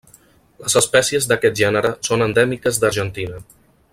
Les espècies d'aquest gènere són endèmiques d'Argentina.